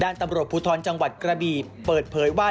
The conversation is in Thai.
ตำรวจภูทรจังหวัดกระบีเปิดเผยว่า